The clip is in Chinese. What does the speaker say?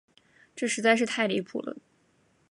这实在是太离谱了。